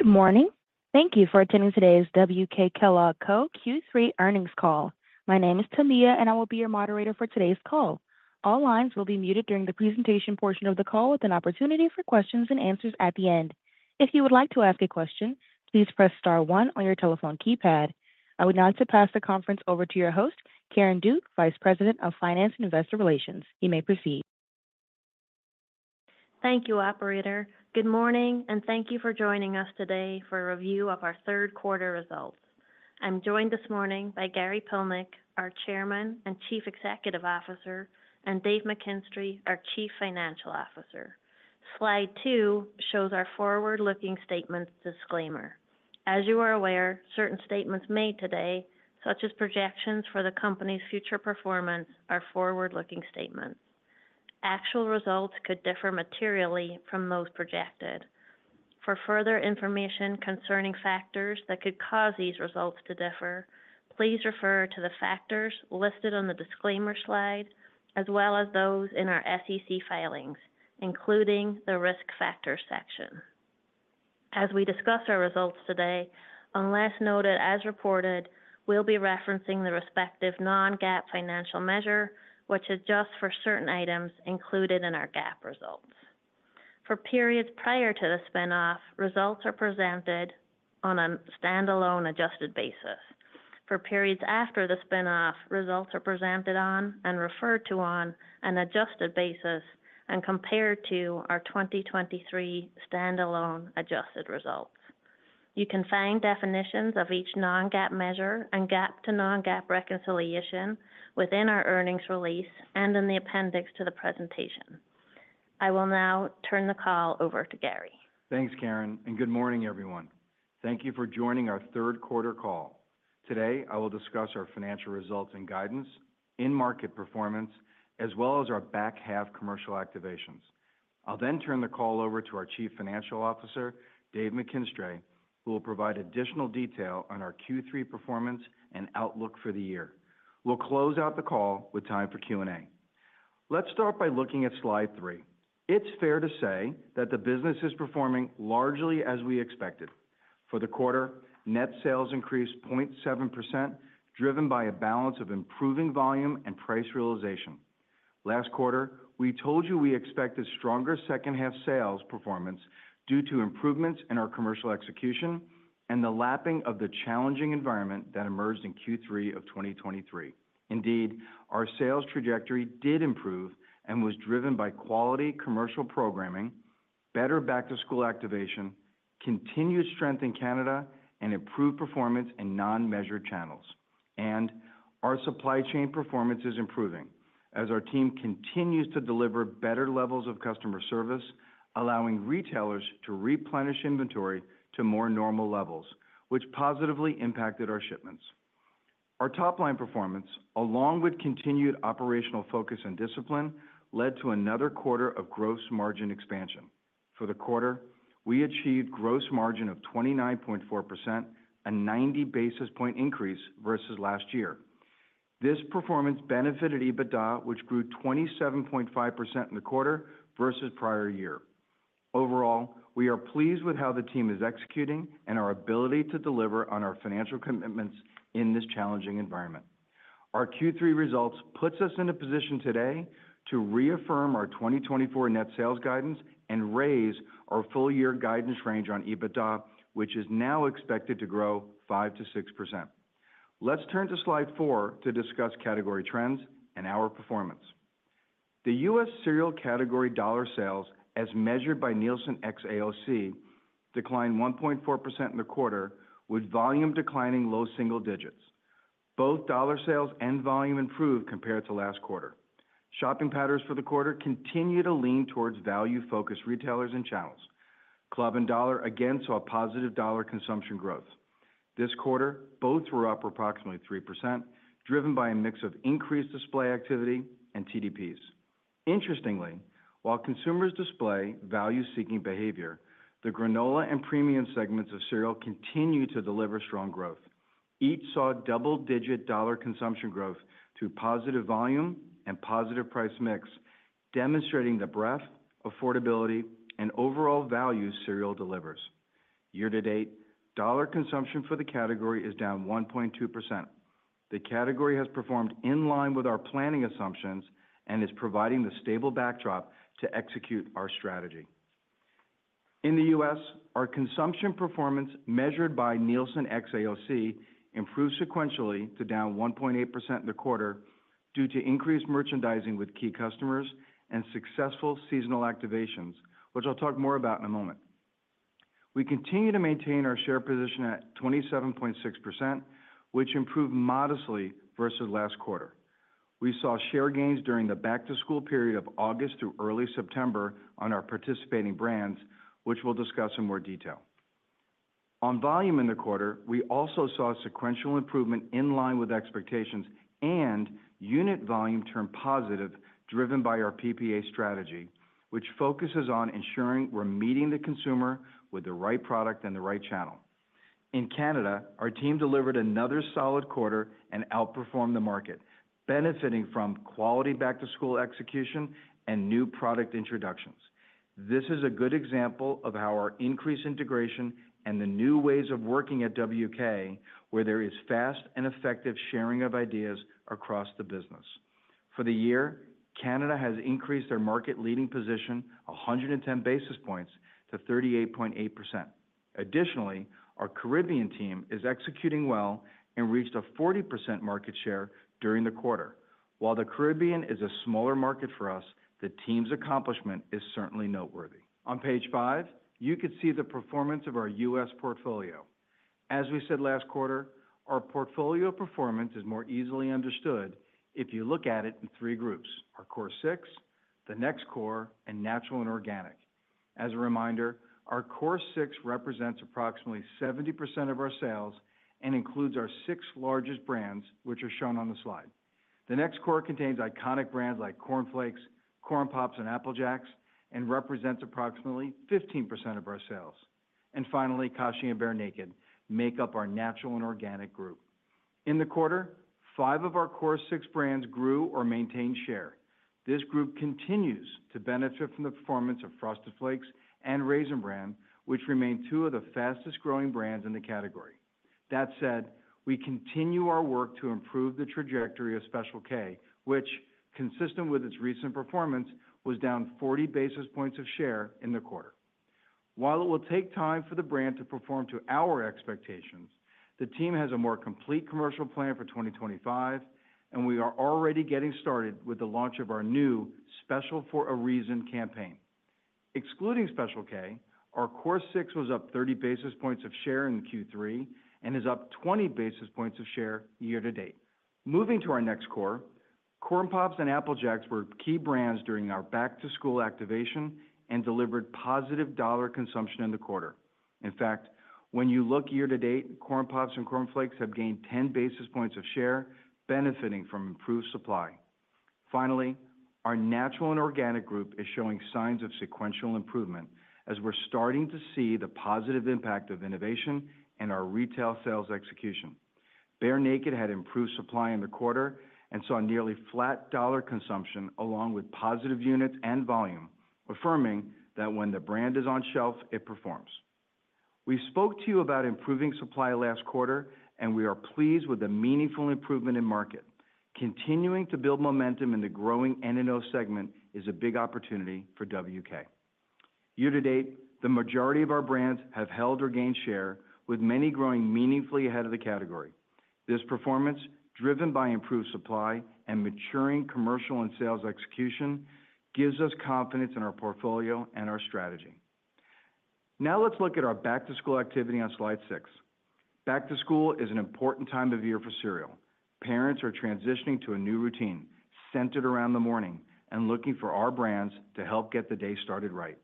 Good morning. Thank you for attending today's WK Kellogg Co Fiscal Year 2024, Q3 earnings call. My name is Tamia, and I will be your moderator for today's call. All lines will be muted during the presentation portion of the call, with an opportunity for questions and answers at the end. If you would like to ask a question, please press star one on your telephone keypad. I would now like to pass the conference over to your host, Karen Duke, Vice President of Finance and Investor Relations. You may proceed. Thank you, Operator. Good morning, and thank you for joining us today for a review of our third quarter results. I'm joined this morning by Gary Pilnick, our Chairman and Chief Executive Officer, and Dave McKinstray, our Chief Financial Officer. Slide two shows our forward-looking statement disclaimer. As you are aware, certain statements made today, such as projections for the company's future performance, are forward-looking statements. Actual results could differ materially from those projected. For further information concerning factors that could cause these results to differ, please refer to the factors listed on the disclaimer slide, as well as those in our SEC filings, including the risk factors section. As we discuss our results today, unless noted as reported, we'll be referencing the respective non-GAAP financial measure, which adjusts for certain items included in our GAAP results. For periods prior to the spinoff, results are presented on a standalone adjusted basis. For periods after the spinoff, results are presented on and referred to on an adjusted basis and compared to our 2023 standalone adjusted results. You can find definitions of each non-GAAP measure and GAAP to non-GAAP reconciliation within our earnings release and in the appendix to the presentation. I will now turn the call over to Gary. Thanks, Karen, and good morning, everyone. Thank you for joining our third quarter call. Today, I will discuss our financial results and guidance in market performance, as well as our back half commercial activations. I'll then turn the call over to our Chief Financial Officer, Dave McKinstray, who will provide additional detail on our Q3 performance and outlook for the year. We'll close out the call with time for Q&A. Let's start by looking at slide three. It's fair to say that the business is performing largely as we expected. For the quarter, net sales increased 0.7%, driven by a balance of improving volume and price realization. Last quarter, we told you we expect a stronger second half sales performance due to improvements in our commercial execution and the lapping of the challenging environment that emerged in Q3 of 2023. Indeed, our sales trajectory did improve and was driven by quality commercial programming, better back to school activation, continued strength in Canada, and improved performance in non-measured channels, and our supply chain performance is improving as our team continues to deliver better levels of customer service, allowing retailers to replenish inventory to more normal levels, which positively impacted our shipments. Our top line performance, along with continued operational focus and discipline, led to another quarter of gross margin expansion. For the quarter, we achieved gross margin of 29.4%, a 90 basis point increase versus last year. This performance benefited EBITDA, which grew 27.5% in the quarter versus prior year. Overall, we are pleased with how the team is executing and our ability to deliver on our financial commitments in this challenging environment. Our Q3 results put us in a position today to reaffirm our 2024 net sales guidance and raise our full year guidance range on EBITDA, which is now expected to grow 5 to 6%. Let's turn to slide four to discuss category trends and our performance. The U.S. cereal category dollar sales, as measured by Nielsen xAOC, declined 1.4% in the quarter, with volume declining low single digits. Both dollar sales and volume improved compared to last quarter. Shopping patterns for the quarter continue to lean towards value-focused retailers and channels. Club and Dollar again saw positive dollar consumption growth. This quarter, both were up approximately 3%, driven by a mix of increased display activity and TDPs. Interestingly, while consumers display value-seeking behavior, the granola and premium segments of cereal continue to deliver strong growth. Each saw double-digit dollar consumption growth to positive volume and positive price mix, demonstrating the breadth, affordability, and overall value cereal delivers. Year to date, dollar consumption for the category is down 1.2%. The category has performed in line with our planning assumptions and is providing the stable backdrop to execute our strategy. In the U.S., our consumption performance measured by Nielsen xAOC improved sequentially to down 1.8% in the quarter due to increased merchandising with key customers and successful seasonal activations, which I'll talk more about in a moment. We continue to maintain our share position at 27.6%, which improved modestly versus last quarter. We saw share gains during the back to school period of August through early September on our participating brands, which we'll discuss in more detail. On volume in the quarter, we also saw a sequential improvement in line with expectations and unit volume turned positive, driven by our PPA strategy, which focuses on ensuring we're meeting the consumer with the right product and the right channel. In Canada, our team delivered another solid quarter and outperformed the market, benefiting from quality back to school execution and new product introductions. This is a good example of how our increased integration and the new ways of working at WK, where there is fast and effective sharing of ideas across the business. For the year, Canada has increased their market leading position 110 basis points to 38.8%. Additionally, our Caribbean team is executing well and reached a 40% market share during the quarter. While the Caribbean is a smaller market for us, the team's accomplishment is certainly noteworthy. On page five, you could see the performance of our U.S. portfolio. As we said last quarter, our portfolio performance is more easily understood if you look at it in three groups: our Core Six, the Next Core, and Natural and Organic. As a reminder, our Core Six represents approximately 70% of our sales and includes our six largest brands, which are shown on the slide. The Next Core contains iconic brands like Corn Flakes, Corn Pops, and Apple Jacks, and represents approximately 15% of our sales. And finally, Kashi and Bear Naked make up our Natural and Organic group. In the quarter, five of our Core Six brands grew or maintained share. This group continues to benefit from the performance of Frosted Flakes and Raisin Bran, which remain two of the fastest growing brands in the category. That said, we continue our work to improve the trajectory of Special K, which, consistent with its recent performance, was down 40 basis points of share in the quarter. While it will take time for the brand to perform to our expectations, the team has a more complete commercial plan for 2025, and we are already getting started with the launch of our new Special For a Reason campaign. Excluding Special K, our Core Six was up 30 basis points of share in Q3 and is up 20 basis points of share year to date. Moving to our Next Core, Corn Pops and Apple Jacks were key brands during our back to school activation and delivered positive dollar consumption in the quarter. In fact, when you look year to date, Corn Pops and Corn Flakes have gained 10 basis points of share, benefiting from improved supply. Finally, our Natural and Organic group is showing signs of sequential improvement as we're starting to see the positive impact of innovation and our retail sales execution. Bear Naked had improved supply in the quarter and saw nearly flat dollar consumption along with positive units and volume, affirming that when the brand is on shelf, it performs. We spoke to you about improving supply last quarter, and we are pleased with the meaningful improvement in market. Continuing to build momentum in the growing N&O segment is a big opportunity for WK. Year to date, the majority of our brands have held or gained share, with many growing meaningfully ahead of the category. This performance, driven by improved supply and maturing commercial and sales execution, gives us confidence in our portfolio and our strategy. Now let's look at our back-to-school activity on slide six. Back to school is an important time of year for cereal. Parents are transitioning to a new routine centered around the morning and looking for our brands to help get the day started right.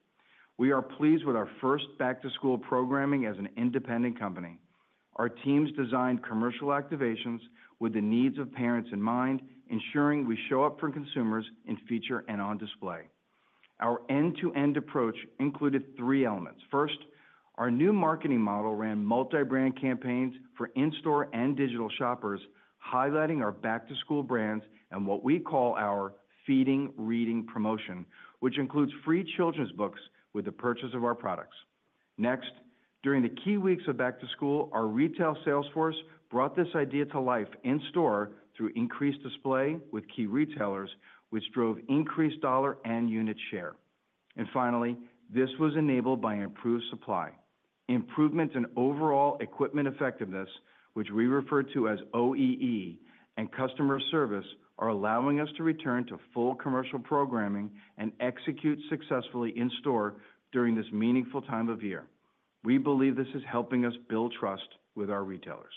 We are pleased with our first back to school programming as an independent company. Our teams designed commercial activations with the needs of parents in mind, ensuring we show up for consumers in feature and on display. Our end-to-end approach included three elements. First, our new marketing model ran multi-brand campaigns for in-store and digital shoppers, highlighting our back to school brands and what we call our Feeding Reading promotion, which includes free children's books with the purchase of our products. Next, during the key weeks of back to school, our retail sales force brought this idea to life in-store through increased display with key retailers, which drove increased dollar and unit share. Finally, this was enabled by improved supply. Improvements in overall equipment effectiveness, which we refer to as OEE, and customer service are allowing us to return to full commercial programming and execute successfully in-store during this meaningful time of year. We believe this is helping us build trust with our retailers.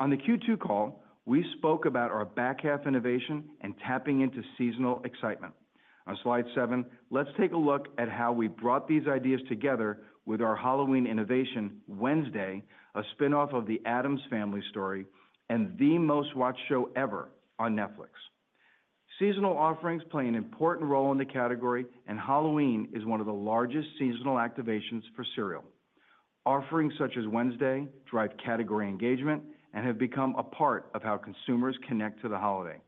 On the Q2 call, we spoke about our back half innovation and tapping into seasonal excitement. On slide seven, let's take a look at how we brought these ideas together with our Halloween innovation Wednesday, a spinoff of The Addams Family and the most watched show ever on Netflix. Seasonal offerings play an important role in the category, and Halloween is one of the largest seasonal activations for cereal. Offerings such as Wednesday drive category engagement and have become a part of how consumers connect to the holiday.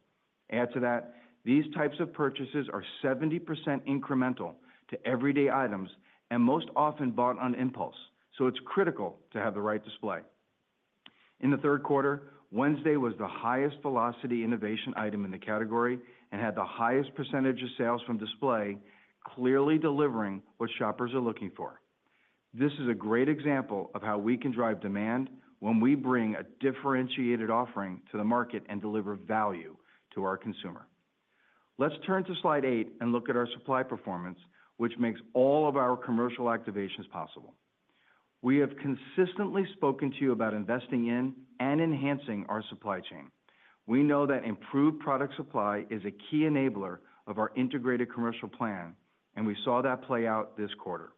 Add to that, these types of purchases are 70% incremental to everyday items and most often bought on impulse, so it's critical to have the right display. In the third quarter, Wednesday was the highest velocity innovation item in the category and had the highest percentage of sales from display, clearly delivering what shoppers are looking for. This is a great example of how we can drive demand when we bring a differentiated offering to the market and deliver value to our consumer. Let's turn to slide eight and look at our supply performance, which makes all of our commercial activations possible. We have consistently spoken to you about investing in and enhancing our supply chain. We know that improved product supply is a key enabler of our integrated commercial plan, and we saw that play out this quarter.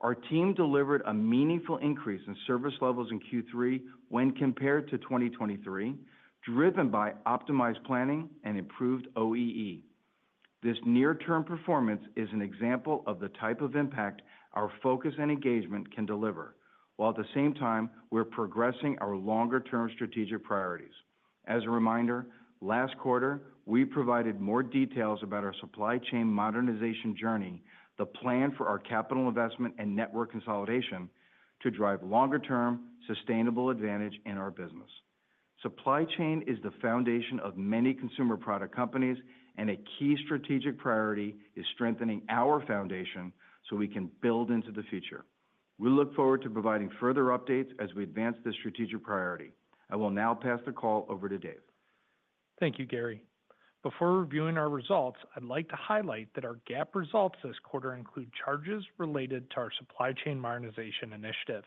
Our team delivered a meaningful increase in service levels in Q3 when compared to 2023, driven by optimized planning and improved OEE. This near-term performance is an example of the type of impact our focus and engagement can deliver, while at the same time, we're progressing our longer-term strategic priorities. As a reminder, last quarter, we provided more details about our supply chain modernization journey, the plan for our capital investment and network consolidation to drive longer-term sustainable advantage in our business. Supply chain is the foundation of many consumer product companies, and a key strategic priority is strengthening our foundation so we can build into the future. We look forward to providing further updates as we advance this strategic priority. I will now pass the call over to Dave. Thank you, Gary. Before reviewing our results, I'd like to highlight that our GAAP results this quarter include charges related to our supply chain modernization initiative.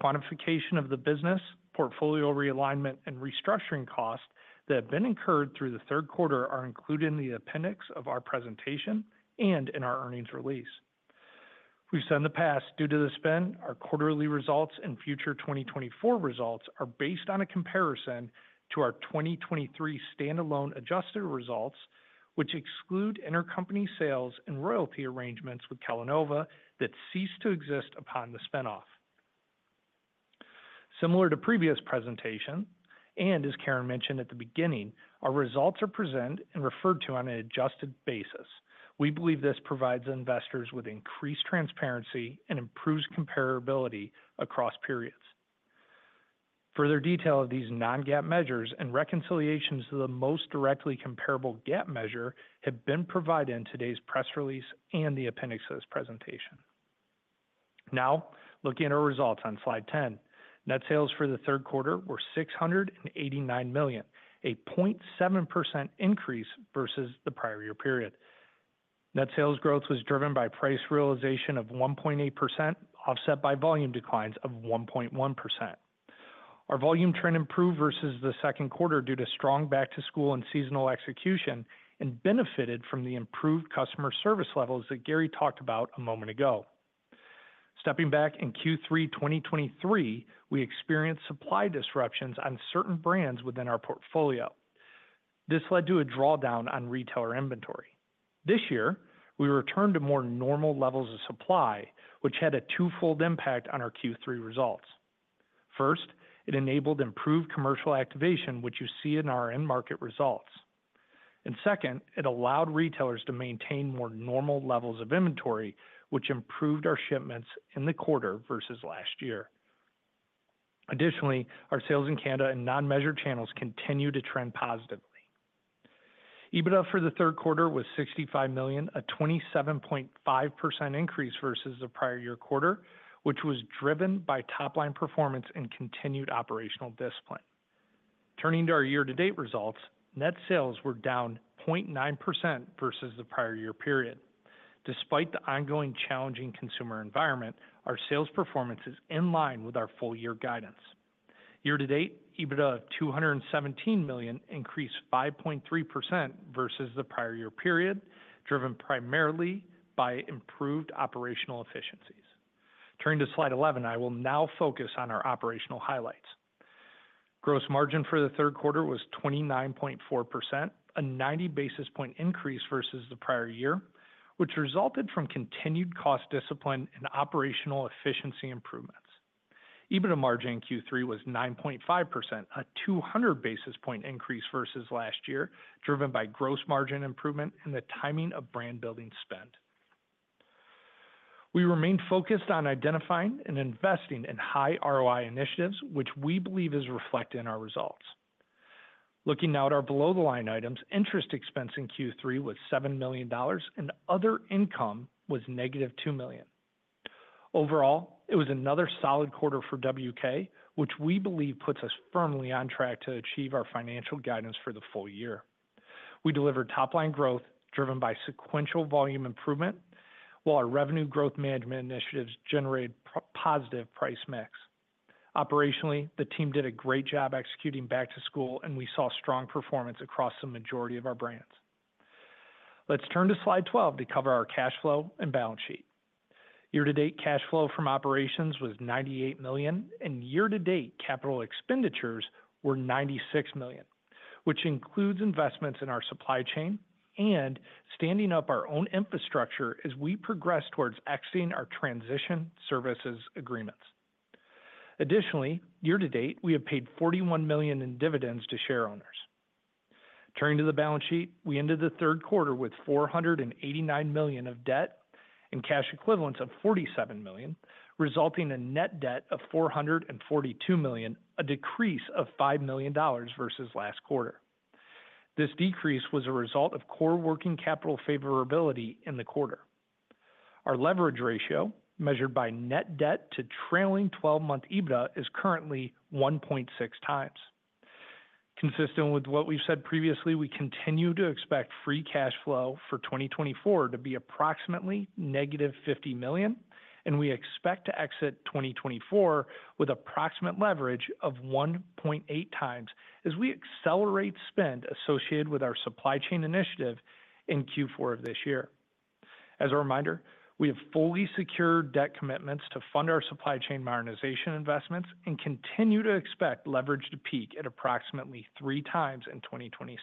Quantification of the business, portfolio realignment, and restructuring costs that have been incurred through the third quarter are included in the appendix of our presentation and in our earnings release. We've said in the past, due to the spend, our quarterly results and future 2024 results are based on a comparison to our 2023 standalone adjusted results, which exclude intercompany sales and royalty arrangements with Kellanova that ceased to exist upon the spinoff. Similar to previous presentation, and as Karen mentioned at the beginning, our results are presented and referred to on an adjusted basis. We believe this provides investors with increased transparency and improves comparability across periods. Further detail of these non-GAAP measures and reconciliations to the most directly comparable GAAP measure have been provided in today's press release and the appendix of this presentation. Now, looking at our results on slide 10, net sales for the third quarter were $689 million, a 0.7% increase versus the prior year period. Net sales growth was driven by price realization of 1.8%, offset by volume declines of 1.1%. Our volume trend improved versus the second quarter due to strong back to school and seasonal execution and benefited from the improved customer service levels that Gary talked about a moment ago. Stepping back in Q3 2023, we experienced supply disruptions on certain brands within our portfolio. This led to a drawdown on retailer inventory. This year, we returned to more normal levels of supply, which had a twofold impact on our Q3 results. First, it enabled improved commercial activation, which you see in our end market results. And second, it allowed retailers to maintain more normal levels of inventory, which improved our shipments in the quarter versus last year. Additionally, our sales in Canada and non-measured channels continue to trend positively. EBITDA for the third quarter was $65 million, a 27.5% increase versus the prior year quarter, which was driven by top-line performance and continued operational discipline. Turning to our year-to-date results, net sales were down 0.9% versus the prior year period. Despite the ongoing challenging consumer environment, our sales performance is in line with our full-year guidance. Year-to-date, EBITDA of $217 million increased 5.3% versus the prior year period, driven primarily by improved operational efficiencies. Turning to slide 11, I will now focus on our operational highlights. Gross margin for the third quarter was 29.4%, a 90 basis point increase versus the prior year, which resulted from continued cost discipline and operational efficiency improvements. EBITDA margin in Q3 was 9.5%, a 200 basis point increase versus last year, driven by gross margin improvement and the timing of brand-building spend. We remained focused on identifying and investing in high ROI initiatives, which we believe is reflected in our results. Looking now at our below-the-line items, interest expense in Q3 was $7 million and other income was negative $2 million. Overall, it was another solid quarter for WK, which we believe puts us firmly on track to achieve our financial guidance for the full year. We delivered top-line growth driven by sequential volume improvement, while our revenue growth management initiatives generated positive price mix. Operationally, the team did a great job executing back to school, and we saw strong performance across the majority of our brands. Let's turn to slide 12 to cover our cash flow and balance sheet. Year-to-date cash flow from operations was $98 million, and year-to-date capital expenditures were $96 million, which includes investments in our supply chain and standing up our own infrastructure as we progress towards exiting our transition services agreements. Additionally, year-to-date, we have paid $41 million in dividends to share owners. Turning to the balance sheet, we ended the third quarter with $489 million of debt and cash equivalents of $47 million, resulting in net debt of $442 million, a decrease of $5 million versus last quarter. This decrease was a result of core working capital favorability in the quarter. Our leverage ratio, measured by net debt to trailing 12-month EBITDA, is currently 1.6 times. Consistent with what we've said previously, we continue to expect free cash flow for 2024 to be approximately -$50 million, and we expect to exit 2024 with approximate leverage of 1.8 times as we accelerate spend associated with our supply chain initiative in Q4 of this year. As a reminder, we have fully secured debt commitments to fund our supply chain modernization investments and continue to expect leverage to peak at approximately three times in 2026.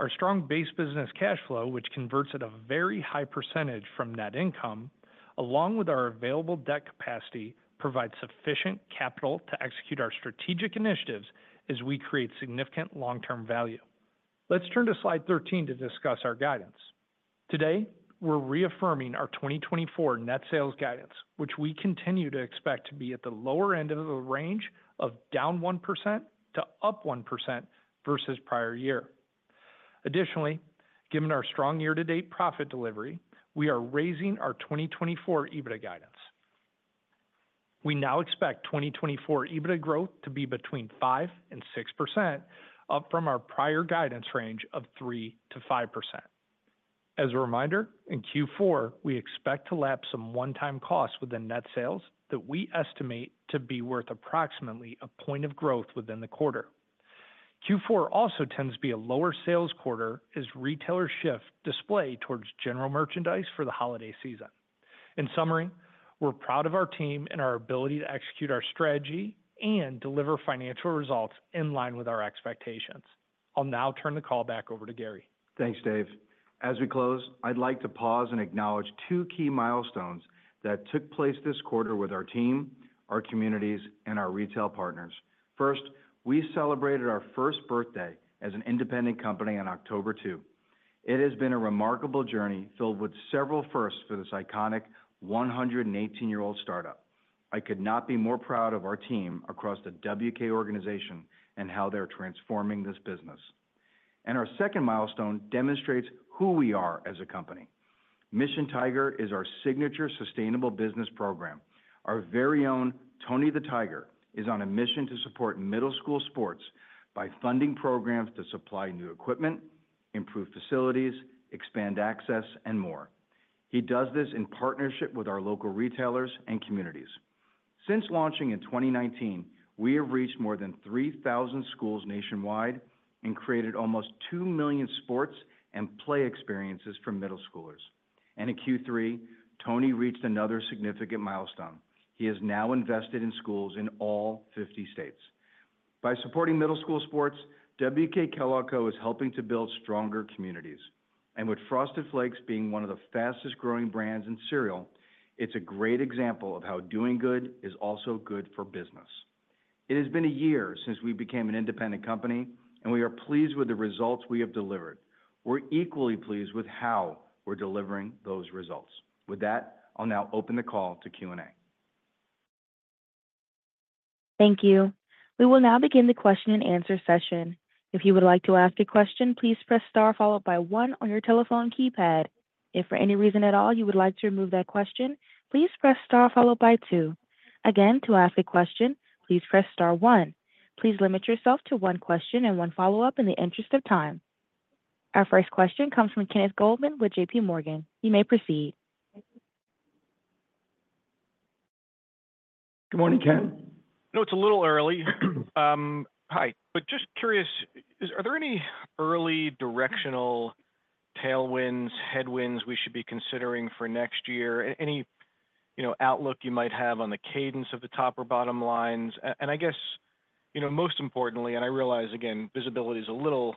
Our strong base business cash flow, which converts at a very high percentage from net income, along with our available debt capacity, provides sufficient capital to execute our strategic initiatives as we create significant long-term value. Let's turn to slide 13 to discuss our guidance. Today, we're reaffirming our 2024 net sales guidance, which we continue to expect to be at the lower end of the range of down 1% to up 1% versus prior year. Additionally, given our strong year-to-date profit delivery, we are raising our 2024 EBITDA guidance. We now expect 2024 EBITDA growth to be between 5% and 6%, up from our prior guidance range of 3%-5%. As a reminder, in Q4, we expect to lapse some one-time costs within net sales that we estimate to be worth approximately a point of growth within the quarter. Q4 also tends to be a lower sales quarter as retailers shift display towards general merchandise for the holiday season. In summary, we're proud of our team and our ability to execute our strategy and deliver financial results in line with our expectations. I'll now turn the call back over to Gary. Thanks, Dave. As we close, I'd like to pause and acknowledge two key milestones that took place this quarter with our team, our communities, and our retail partners. First, we celebrated our first birthday as an independent company on October 2. It has been a remarkable journey filled with several firsts for this iconic 118-year-old startup. I could not be more proud of our team across the WK organization and how they're transforming this business. And our second milestone demonstrates who we are as a company. Mission Tiger is our signature sustainable business program. Our very own Tony the Tiger is on a mission to support middle school sports by funding programs to supply new equipment, improve facilities, expand access, and more. He does this in partnership with our local retailers and communities. Since launching in 2019, we have reached more than 3,000 schools nationwide and created almost 2 million sports and play experiences for middle schoolers. And in Q3, Tony reached another significant milestone. He has now invested in schools in all 50 states. By supporting middle school sports, WK Kellogg Co is helping to build stronger communities. And with Frosted Flakes being one of the fastest-growing brands in cereal, it's a great example of how doing good is also good for business. It has been a year since we became an independent company, and we are pleased with the results we have delivered. We're equally pleased with how we're delivering those results. With that, I'll now open the call to Q&A. Thank you. We will now begin the question-and-answer session. If you would like to ask a question, please press star followed by one on your telephone keypad. If for any reason at all you would like to remove that question, please press star followed by two. Again, to ask a question, please press star one. Please limit yourself to one question and one follow-up in the interest of time. Our first question comes from Kenneth Goldman with JPMorgan. You may proceed. Good morning, Ken. No, it's a little early. Hi. But just curious, are there any early directional tailwinds, headwinds we should be considering for next year? Any outlook you might have on the cadence of the top or bottom lines? And I guess, most importantly, and I realize, again, visibility is a little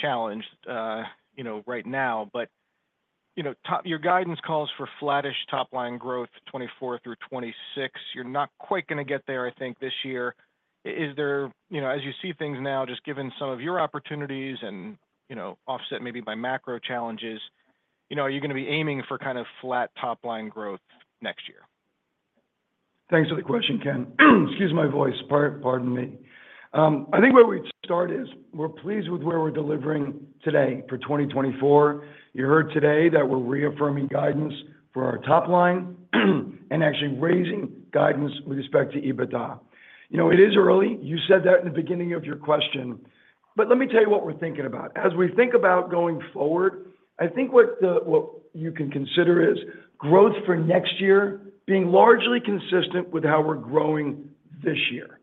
challenged right now, but your guidance calls for flattish top-line growth 2024 through 2026. You're not quite going to get there, I think, this year. Is there, as you see things now, just given some of your opportunities and offset maybe by macro challenges, are you going to be aiming for kind of flat top-line growth next year? Thanks for the question, Ken. Excuse my voice. Pardon me. I think where we start is we're pleased with where we're delivering today for 2024. You heard today that we're reaffirming guidance for our top line and actually raising guidance with respect to EBITDA. It is early. You said that in the beginning of your question. But let me tell you what we're thinking about. As we think about going forward, I think what you can consider is growth for next year being largely consistent with how we're growing this year.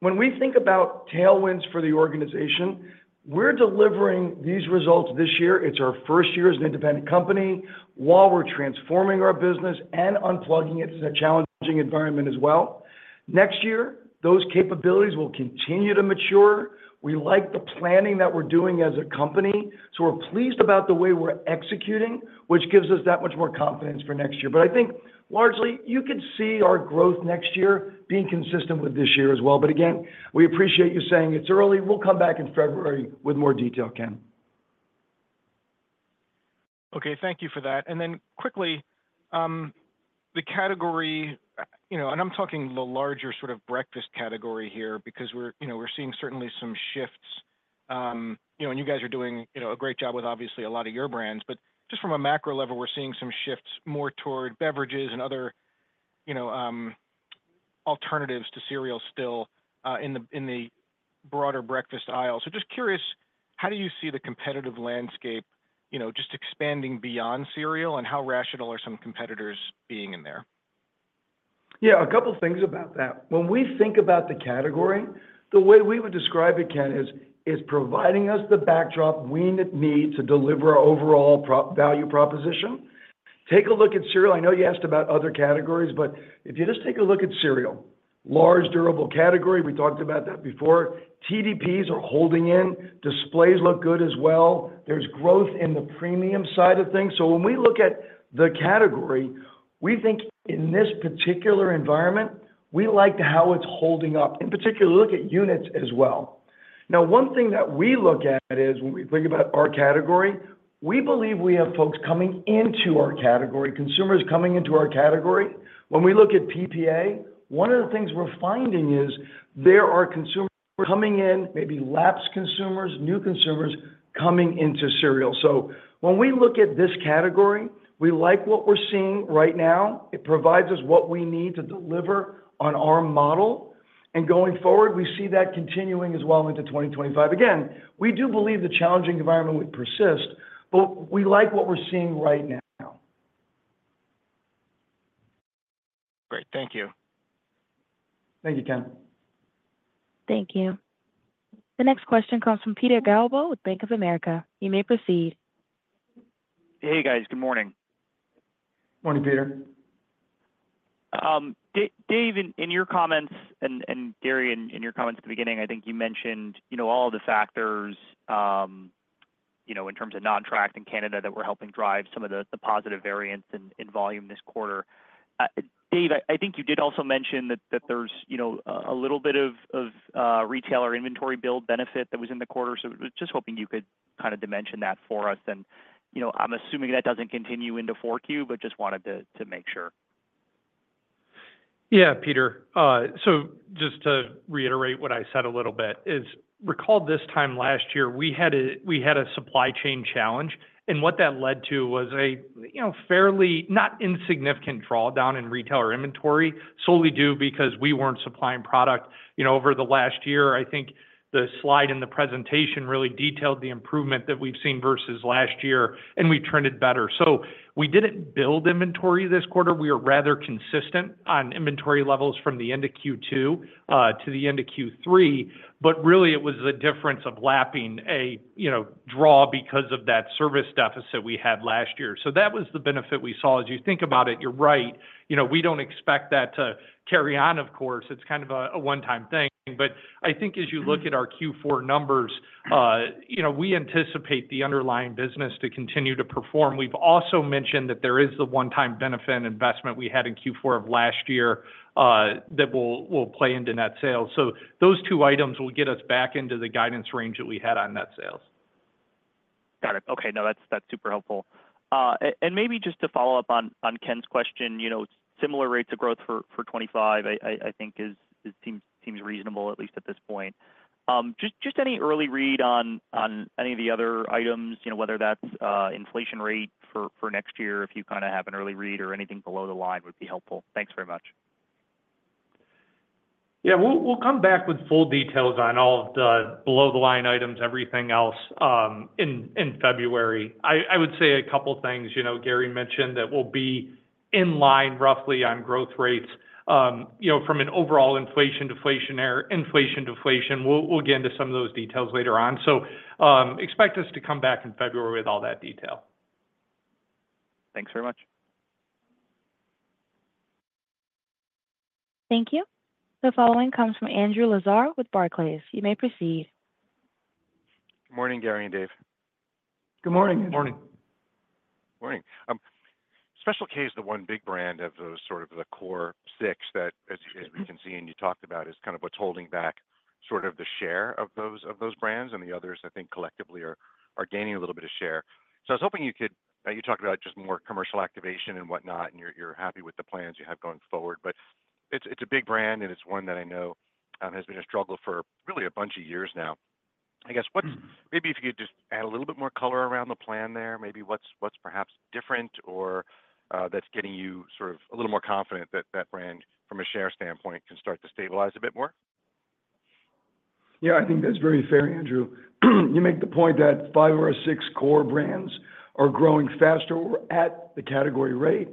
When we think about tailwinds for the organization, we're delivering these results this year. It's our first year as an independent company while we're transforming our business and unplugging it to the challenging environment as well. Next year, those capabilities will continue to mature. We like the planning that we're doing as a company. So we're pleased about the way we're executing, which gives us that much more confidence for next year. But I think, largely, you could see our growth next year being consistent with this year as well. But again, we appreciate you saying it's early. We'll come back in February with more detail, Ken. Okay. Thank you for that. And then quickly, the category, and I'm talking the larger sort of breakfast category here because we're seeing certainly some shifts. And you guys are doing a great job with, obviously, a lot of your brands. But just from a macro level, we're seeing some shifts more toward beverages and other alternatives to cereal still in the broader breakfast aisle. So just curious, how do you see the competitive landscape just expanding beyond cereal, and how rational are some competitors being in there? Yeah, a couple of things about that. When we think about the category, the way we would describe it, Ken, is it's providing us the backdrop we need to deliver our overall value proposition. Take a look at cereal. I know you asked about other categories, but if you just take a look at cereal, large durable category, we talked about that before. TDPs are holding in. Displays look good as well. There's growth in the premium side of things. So when we look at the category, we think in this particular environment, we like how it's holding up. In particular, look at units as well. Now, one thing that we look at is when we think about our category, we believe we have folks coming into our category, consumers coming into our category. When we look at PPA, one of the things we're finding is there are consumers coming in, maybe lapse consumers, new consumers coming into cereal. So when we look at this category, we like what we're seeing right now. It provides us what we need to deliver on our model, and going forward, we see that continuing as well into 2025. Again, we do believe the challenging environment would persist, but we like what we're seeing right now. Great. Thank you. Thank you, Ken. Thank you. The next question comes from Peter Galbo with Bank of America. You may proceed. Hey, guys. Good morning. Morning, Peter. Dave, in your comments, and Gary, in your comments at the beginning, I think you mentioned all the factors in terms of non-tracked in Canada that were helping drive some of the positive variance in volume this quarter. Dave, I think you did also mention that there's a little bit of retailer inventory build benefit that was in the quarter. So just hoping you could kind of dimension that for us. And I'm assuming that doesn't continue into 4Q, but just wanted to make sure. Yeah, Peter. So just to reiterate what I said a little bit, is recall this time last year, we had a supply chain challenge. And what that led to was a fairly not insignificant drawdown in retailer inventory, solely due because we weren't supplying product over the last year. I think the slide in the presentation really detailed the improvement that we've seen versus last year, and we've trended better. So we didn't build inventory this quarter. We were rather consistent on inventory levels from the end of Q2 to the end of Q3. But really, it was the difference of lapping a draw because of that service deficit we had last year. So that was the benefit we saw. As you think about it, you're right. We don't expect that to carry on, of course. It's kind of a one-time thing. But I think as you look at our Q4 numbers, we anticipate the underlying business to continue to perform. We've also mentioned that there is the one-time benefit investment we had in Q4 of last year that will play into net sales. So those two items will get us back into the guidance range that we had on net sales. Got it. Okay. No, that's super helpful. And maybe just to follow up on Ken's question, similar rates of growth for 2025, I think, seems reasonable, at least at this point. Just any early read on any of the other items, whether that's inflation rate for next year, if you kind of have an early read or anything below the line would be helpful. Thanks very much. Yeah. We'll come back with full details on all of the below-the-line items, everything else in February. I would say a couple of things. Gary mentioned that we'll be in line roughly on growth rates from an overall inflation-deflation era. We'll get into some of those details later on. So expect us to come back in February with all that detail. Thanks very much. Thank you. The following comes from Andrew Lazar with Barclays. You may proceed. Good morning, Gary and Dave. Good morning. Good morning. Good morning. Special K is the one big brand of sort of the Core Six that, as we can see and you talked about, is kind of what's holding back sort of the share of those brands. And the others, I think, collectively are gaining a little bit of share. So I was hoping you could you talked about just more commercial activation and whatnot, and you're happy with the plans you have going forward. But it's a big brand, and it's one that I know has been a struggle for really a bunch of years now. I guess maybe if you could just add a little bit more color around the plan there, maybe what's perhaps different or that's getting you sort of a little more confident that that brand, from a share standpoint, can start to stabilize a bit more? Yeah, I think that's very fair, Andrew. You make the point that five or six core brands are growing faster or at the category rate.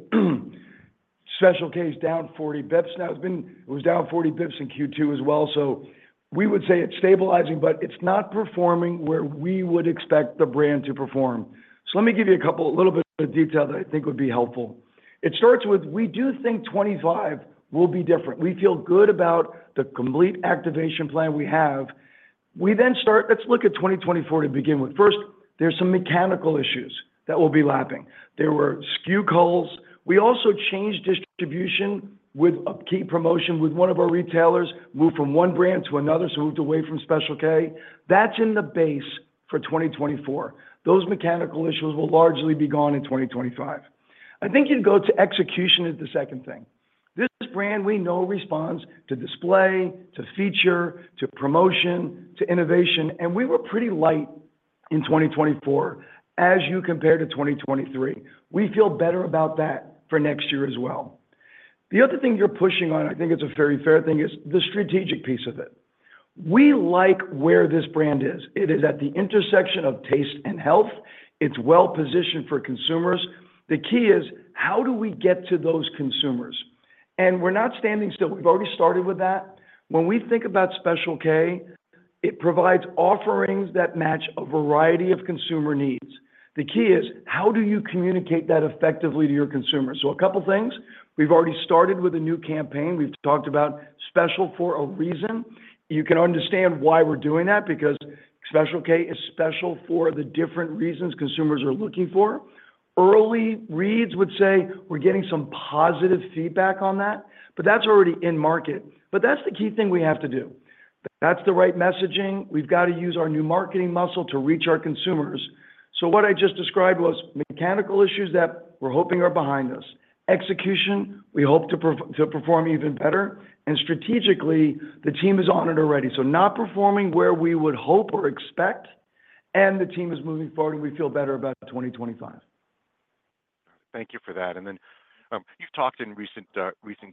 Special K is down 40 basis points. Now, it was down 40 basis points in Q2 as well. So we would say it's stabilizing, but it's not performing where we would expect the brand to perform. So let me give you a little bit of detail that I think would be helpful. It starts with we do think 2025 will be different. We feel good about the complete activation plan we have. We then start let's look at 2024 to begin with. First, there's some mechanical issues that will be lapping. There were SKU calls. We also changed distribution with key promotion with one of our retailers, moved from one brand to another, so moved away from Special K. That's in the base for 2024. Those mechanical issues will largely be gone in 2025. I think you'd go to execution is the second thing. This brand, we know, responds to display, to feature, to promotion, to innovation. And we were pretty light in 2024 as you compare to 2023. We feel better about that for next year as well. The other thing you're pushing on, I think it's a very fair thing, is the strategic piece of it. We like where this brand is. It is at the intersection of taste and health. It's well-positioned for consumers. The key is how do we get to those consumers, and we're not standing still. We've already started with that. When we think about Special K, it provides offerings that match a variety of consumer needs. The key is how do you communicate that effectively to your consumers? So a couple of things. We've already started with a new campaign. We've talked about special for a reason. You can understand why we're doing that because Special K is special for the different reasons consumers are looking for. Early reads would say we're getting some positive feedback on that, but that's already in market. But that's the key thing we have to do. That's the right messaging. We've got to use our new marketing muscle to reach our consumers. So what I just described was mechanical issues that we're hoping are behind us. Execution, we hope to perform even better, and strategically, the team is on it already. So, not performing where we would hope or expect, and the team is moving forward, and we feel better about 2025. Thank you for that, and then you've talked in recent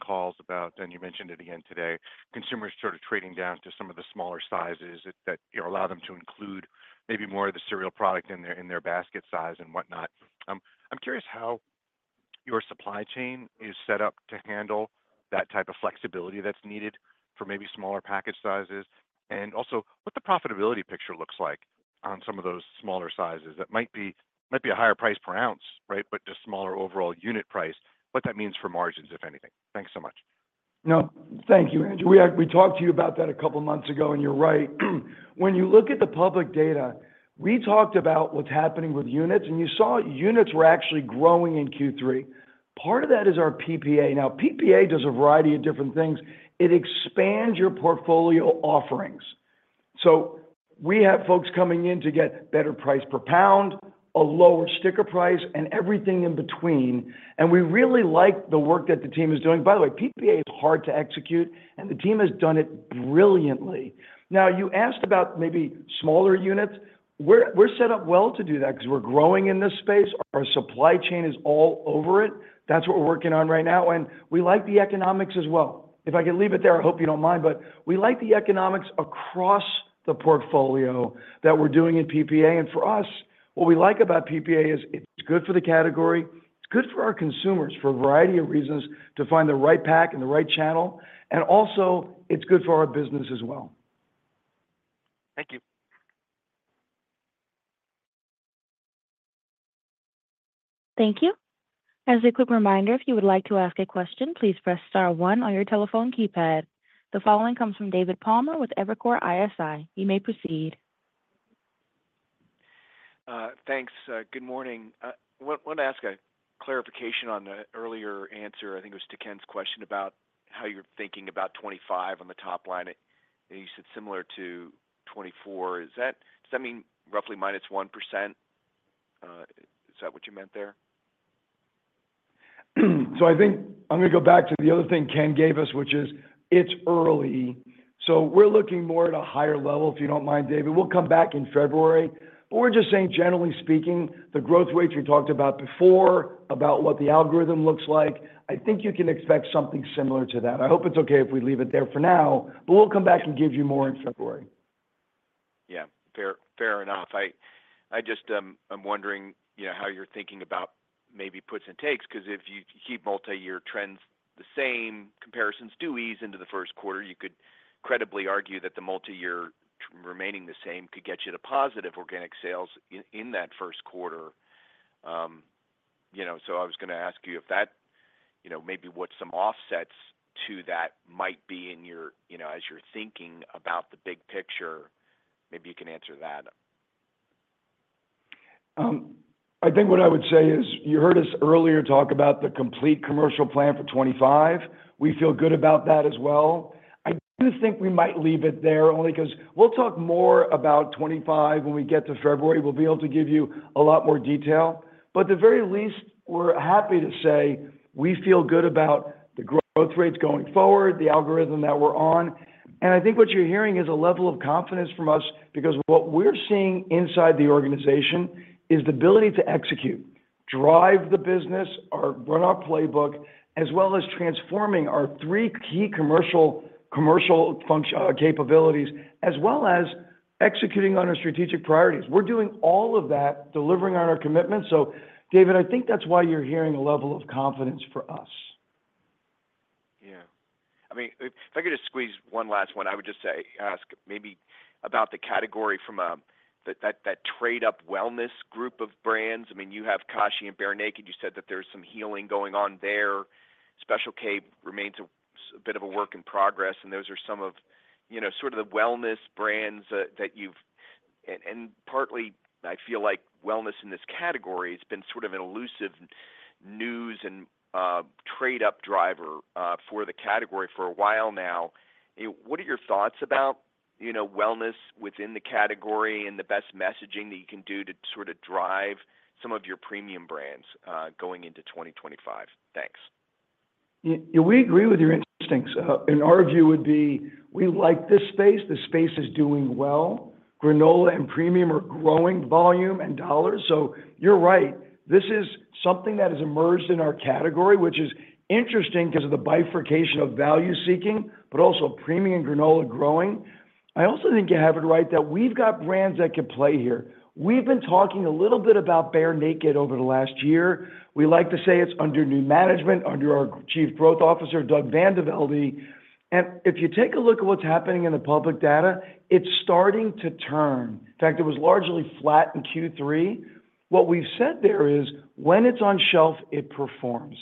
calls about, and you mentioned it again today, consumers sort of trading down to some of the smaller sizes that allow them to include maybe more of the cereal product in their basket size and whatnot. I'm curious how your supply chain is set up to handle that type of flexibility that's needed for maybe smaller package sizes. And also, what the profitability picture looks like on some of those smaller sizes. It might be a higher price per ounce, right, but just smaller overall unit price. What that means for margins, if anything. Thanks so much. No, thank you, Andrew. We talked to you about that a couple of months ago, and you're right. When you look at the public data, we talked about what's happening with units, and you saw units were actually growing in Q3. Part of that is our PPA. Now, PPA does a variety of different things. It expands your portfolio offerings. So we have folks coming in to get better price per pound, a lower sticker price, and everything in between. And we really like the work that the team is doing. By the way, PPA is hard to execute, and the team has done it brilliantly. Now, you asked about maybe smaller units. We're set up well to do that because we're growing in this space. Our supply chain is all over it. That's what we're working on right now. And we like the economics as well. If I could leave it there, I hope you don't mind, but we like the economics across the portfolio that we're doing in PPA. And for us, what we like about PPA is it's good for the category. It's good for our consumers for a variety of reasons to find the right pack and the right channel. And also, it's good for our business as well. Thank you. Thank you. As a quick reminder, if you would like to ask a question, please press star one on your telephone keypad. The following comes from David Palmer with Evercore ISI. You may proceed. Thanks. Good morning. I want to ask a clarification on the earlier answer. I think it was to Ken's question about how you're thinking about 2025 on the top line. You said similar to 2024. Does that mean roughly -1%? Is that what you meant there? So, I think I'm going to go back to the other thing Ken gave us, which is it's early. So, we're looking more at a higher level, if you don't mind, David. We'll come back in February. But we're just saying, generally speaking, the growth rates we talked about before about what the algorithm looks like. I think you can expect something similar to that. I hope it's okay if we leave it there for now, but we'll come back and give you more in February. Yeah. Fair enough. I just am wondering how you're thinking about maybe puts and takes because if you keep multi-year trends the same, comparisons to ease into the first quarter, you could credibly argue that the multi-year remaining the same could get you to positive organic sales in that first quarter. So I was going to ask you if that maybe what some offsets to that might be as you're thinking about the big picture. Maybe you can answer that. I think what I would say is you heard us earlier talk about the complete commercial plan for 2025. We feel good about that as well. I do think we might leave it there only because we'll talk more about 2025 when we get to February. We'll be able to give you a lot more detail. But at the very least, we're happy to say we feel good about the growth rates going forward, the algorithm that we're on. And I think what you're hearing is a level of confidence from us because what we're seeing inside the organization is the ability to execute, drive the business, run our playbook, as well as transforming our three key commercial capabilities, as well as executing on our strategic priorities. We're doing all of that, delivering on our commitments. So, David, I think that's why you're hearing a level of confidence for us. Yeah. I mean, if I could just squeeze one last one, I would just ask maybe about the category from that trade-up wellness group of brands. I mean, you have Kashi and Bear Naked. You said that there's some healing going on there. Special K remains a bit of a work in progress. Those are some sort of the wellness brands that you have, and partly. I feel like wellness in this category has been sort of an elusive new and trade-up driver for the category for a while now. What are your thoughts about wellness within the category and the best messaging that you can do to sort of drive some of your premium brands going into 2025? Thanks. We agree with your instincts. Our view would be we like this space. This space is doing well. Granola and premium are growing volume and dollars. So you are right. This is something that has emerged in our category, which is interesting because of the bifurcation of value seeking, but also premium and granola growing. I also think you have it right that we have got brands that could play here. We have been talking a little bit about Bear Naked over the last year. We like to say it's under new management, under our Chief Growth Officer, Doug VanDeVelde, and if you take a look at what's happening in the public data, it's starting to turn. In fact, it was largely flat in Q3. What we've said there is when it's on shelf, it performs.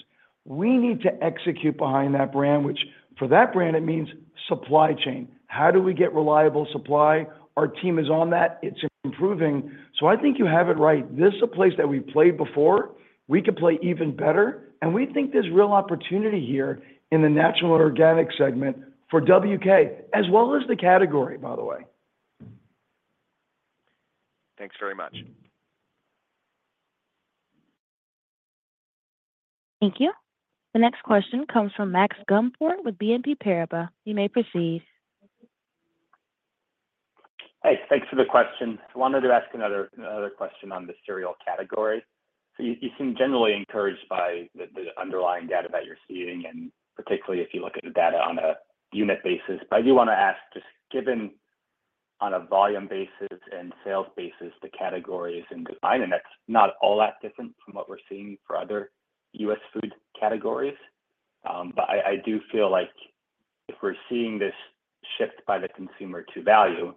We need to execute behind that brand, which for that brand, it means supply chain. How do we get reliable supply? Our team is on that. It's improving, so I think you have it right. This is a place that we've played before. We could play even better, and we think there's real opportunity here in the natural and organic segment for WK, as well as the category, by the way. Thanks very much. Thank you. The next question comes from Max Gumport with BNP Paribas. You may proceed. Hey, thanks for the question. I wanted to ask another question on the cereal category. So you seem generally encouraged by the underlying data that you're seeing, and particularly if you look at the data on a unit basis. But I do want to ask, just given on a volume basis and sales basis, the category's decline, and that's not all that different from what we're seeing for other U.S. food categories. But I do feel like if we're seeing this shift by the consumer to value,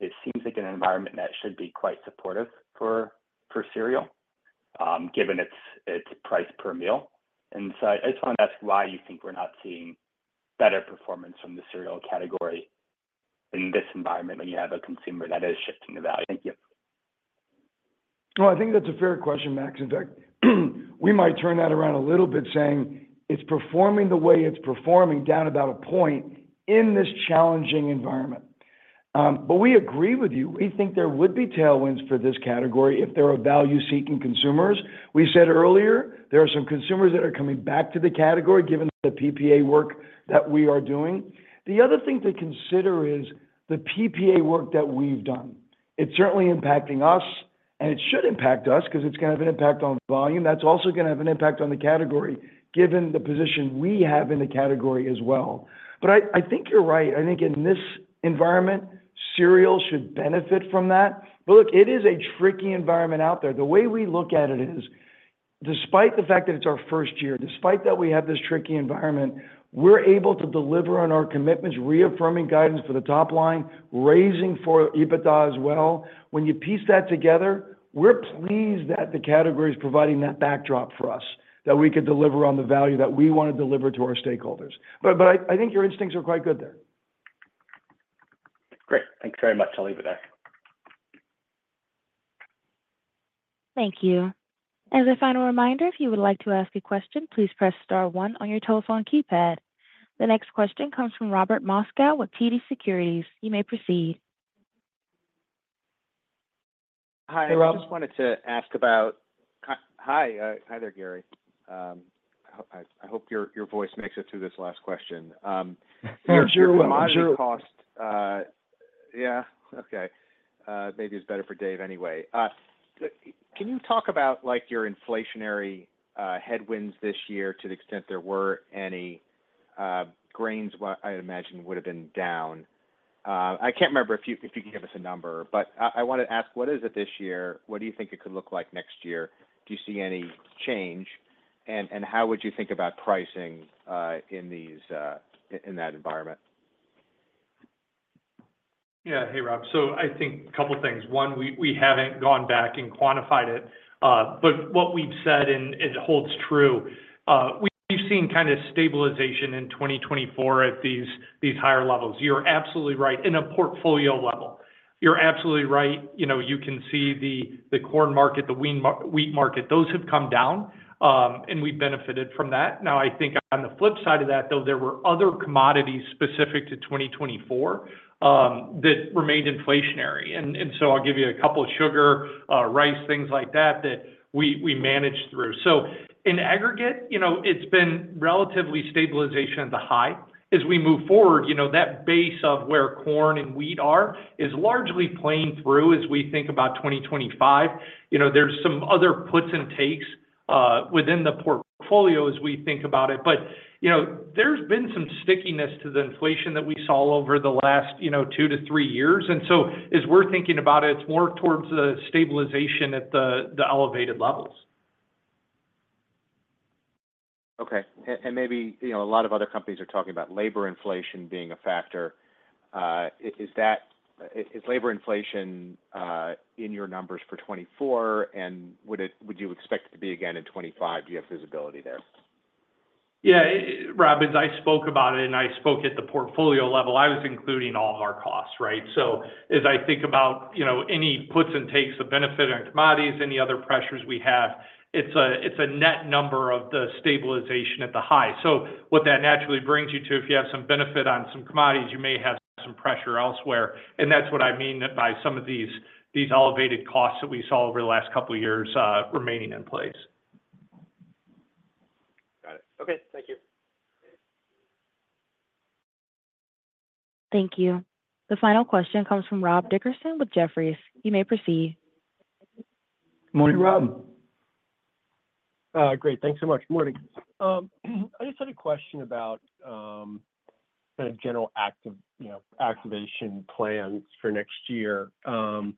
it seems like an environment that should be quite supportive for cereal, given its price per meal. And so I just wanted to ask why you think we're not seeing better performance from the cereal category in this environment when you have a consumer that is shifting the value. Thank you. Well, I think that's a fair question, Max. In fact, we might turn that around a little bit, saying it's performing the way it's performing down about a point in this challenging environment, but we agree with you. We think there would be tailwinds for this category if there are value-seeking consumers. We said earlier, there are some consumers that are coming back to the category, given the PPA work that we are doing. The other thing to consider is the PPA work that we've done. It's certainly impacting us, and it should impact us because it's going to have an impact on volume. That's also going to have an impact on the category, given the position we have in the category as well, but I think you're right. I think in this environment, cereal should benefit from that, but look, it is a tricky environment out there. The way we look at it is, despite the fact that it's our first year, despite that we have this tricky environment, we're able to deliver on our commitments, reaffirming guidance for the top line, raising for EBITDA as well. When you piece that together, we're pleased that the category is providing that backdrop for us, that we could deliver on the value that we want to deliver to our stakeholders. But I think your instincts are quite good there. Great. Thanks very much. I'll leave it there. Thank you. As a final reminder, if you would like to ask a question, please press star one on your telephone keypad. The next question comes from Robert Moskow with TD Securities. You may proceed. Hi, Rob. I just wanted to ask about hi. Hi there, Gary. I hope your voice makes it through this last question. Your commodity cost. Yeah. Okay. Maybe it's better for Dave anyway. Can you talk about your inflationary headwinds this year to the extent there were any grains I imagine would have been down? I can't remember if you can give us a number, but I want to ask, what is it this year? What do you think it could look like next year? Do you see any change? And how would you think about pricing in that environment? Yeah. Hey, Rob. So I think a couple of things. One, we haven't gone back and quantified it. But what we've said, and it holds true, we've seen kind of stabilization in 2024 at these higher levels. You're absolutely right. In a portfolio level, you're absolutely right. You can see the corn market, the wheat market, those have come down, and we've benefited from that. Now, I think on the flip side of that, though, there were other commodities specific to 2024 that remained inflationary, and so I'll give you a couple of sugar, rice, things like that that we managed through, so in aggregate, it's been relatively stabilization at the high. As we move forward, that base of where corn and wheat are is largely playing through as we think about 2025. There's some other puts and takes within the portfolio as we think about it, but there's been some stickiness to the inflation that we saw over the last two to three years, and so as we're thinking about it, it's more towards the stabilization at the elevated levels. Okay, and maybe a lot of other companies are talking about labor inflation being a factor. Is labor inflation in your numbers for 2024? And would you expect it to be again in 2025? Do you have visibility there? Yeah. Rob, I spoke about it, and I spoke at the portfolio level. I was including all of our costs, right? So as I think about any puts and takes, the benefit on commodities, any other pressures we have, it's a net number of the stabilization at the high. So what that naturally brings you to, if you have some benefit on some commodities, you may have some pressure elsewhere. And that's what I mean by some of these elevated costs that we saw over the last couple of years remaining in place. Got it. Okay. Thank you. Thank you. The final question comes from Rob Dickerson with Jefferies. You may proceed. Good morning, Rob. Great. Thanks so much. Good morning. I just had a question about kind of general activation plans for next year. Don't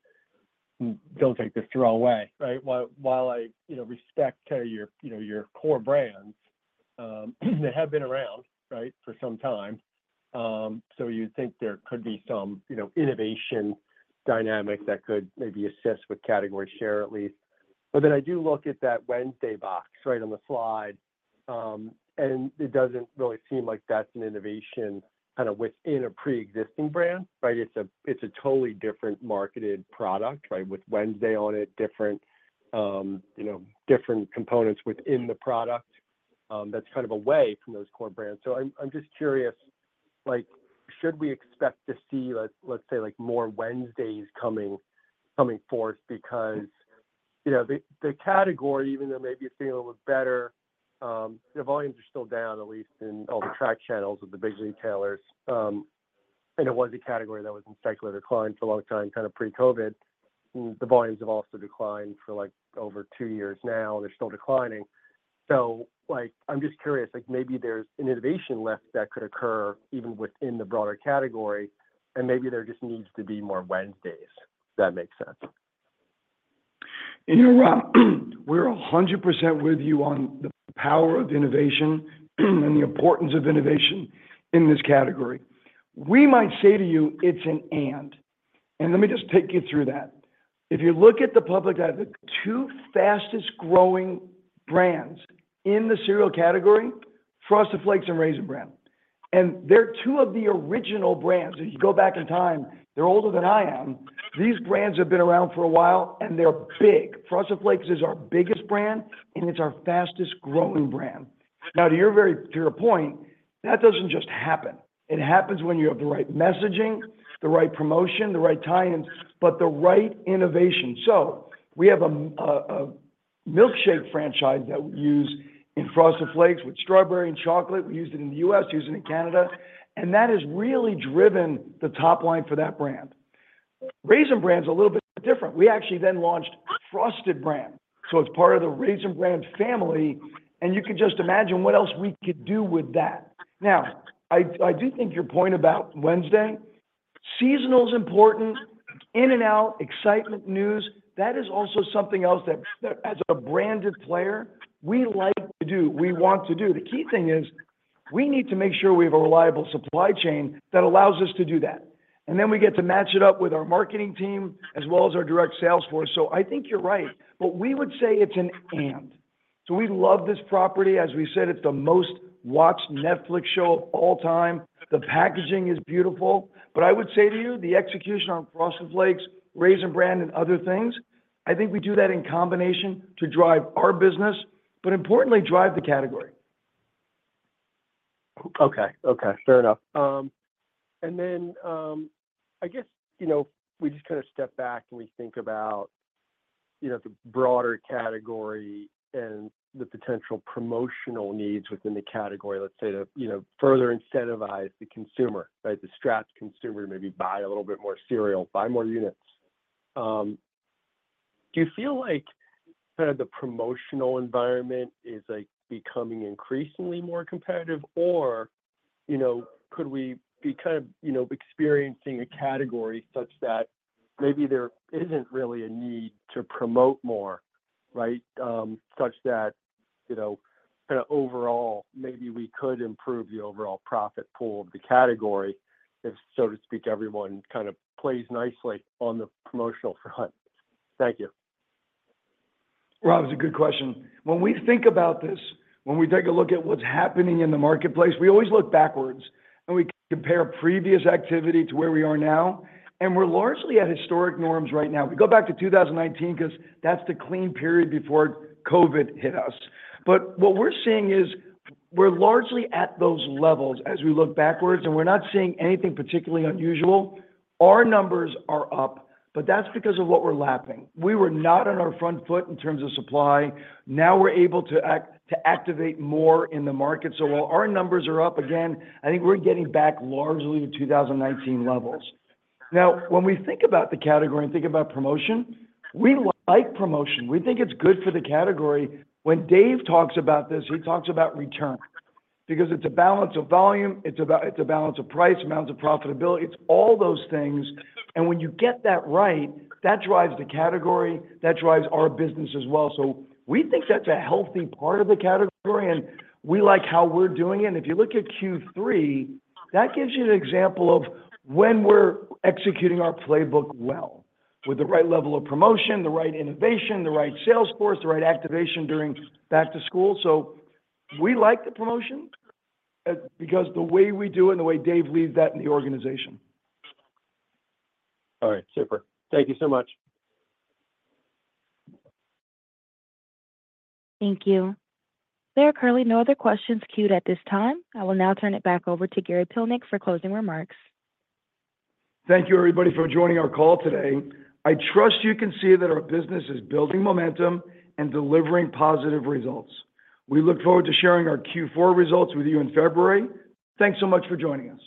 take this the wrong way, right? While I respect your core brands that have been around, right, for some time, so you'd think there could be some innovation dynamic that could maybe assist with category share at least. But then I do look at that Wednesday box, right, on the slide, and it doesn't really seem like that's an innovation kind of within a pre-existing brand, right? It's a totally different marketed product, right, with Wednesday on it, different components within the product. That's kind of away from those core brands. So I'm just curious, should we expect to see, let's say, more Wednesdays coming forth? Because the category, even though maybe it's being a little bit better, the volumes are still down, at least in all the tracked channels of the big retailers. And it was a category that was in cyclical decline for a long time, kind of pre-COVID. The volumes have also declined for over two years now. They're still declining. So I'm just curious, maybe there's an innovation left that could occur even within the broader category, and maybe there just needs to be more Wednesdays, if that makes sense. You know, Rob, we're 100% with you on the power of innovation and the importance of innovation in this category. We might say to you, it's an and. And let me just take you through that. If you look at the public, the two fastest-growing brands in the cereal category, Frosted Flakes and Raisin Bran. And they're two of the original brands. If you go back in time, they're older than I am. These brands have been around for a while, and they're big. Frosted Flakes is our biggest brand, and it's our fastest-growing brand. Now, to your point, that doesn't just happen. It happens when you have the right messaging, the right promotion, the right times, but the right innovation. So we have a milkshake franchise that we use in Frosted Flakes with strawberry and chocolate. We used it in the U.S., used it in Canada. And that has really driven the top line for that brand. Raisin Bran is a little bit different. We actually then launched Frosted Bran. So it's part of the Raisin Bran family. And you can just imagine what else we could do with that. Now, I do think your point about Wednesday, seasonal is important, in and out, excitement news. That is also something else that, as a branded player, we like to do, we want to do. The key thing is we need to make sure we have a reliable supply chain that allows us to do that. And then we get to match it up with our marketing team as well as our direct sales force. So I think you're right. But we would say it's an and. So we love this property. As we said, it's the most-watched Netflix show of all time. The packaging is beautiful. But I would say to you, the execution on Frosted Flakes, Raisin Bran, and other things, I think we do that in combination to drive our business, but importantly, drive the category. Okay. Okay. Fair enough. And then I guess we just kind of step back and we think about the broader category and the potential promotional needs within the category, let's say, to further incentivize the consumer, right? The strapped consumer maybe buy a little bit more cereal, buy more units. Do you feel like kind of the promotional environment is becoming increasingly more competitive, or could we be kind of experiencing a category such that maybe there isn't really a need to promote more, right, such that kind of overall, maybe we could improve the overall profit pool of the category if, so to speak, everyone kind of plays nicely on the promotional front? Thank you. Rob, it's a good question. When we think about this, when we take a look at what's happening in the marketplace, we always look backwards and we compare previous activity to where we are now. And we're largely at historic norms right now. We go back to 2019 because that's the clean period before COVID hit us. But what we're seeing is we're largely at those levels as we look backwards, and we're not seeing anything particularly unusual. Our numbers are up, but that's because of what we're lapping. We were not on our front foot in terms of supply. Now we're able to activate more in the market. So while our numbers are up again, I think we're getting back largely to 2019 levels. Now, when we think about the category and think about promotion, we like promotion. We think it's good for the category. When Dave talks about this, he talks about return because it's a balance of volume. It's a balance of price, amounts of profitability. It's all those things. And when you get that right, that drives the category. That drives our business as well. So we think that's a healthy part of the category, and we like how we're doing it. If you look at Q3, that gives you an example of when we're executing our playbook well, with the right level of promotion, the right innovation, the right sales force, the right activation during back-to-school. We like the promotion because of the way we do it and the way Dave leads that in the organization. All right. Super. Thank you so much. Thank you. There are currently no other questions queued at this time. I will now turn it back over to Gary Pilnick for closing remarks. Thank you, everybody, for joining our call today. I trust you can see that our business is building momentum and delivering positive results. We look forward to sharing our Q4 results with you in February. Thanks so much for joining us.